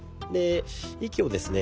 息をですね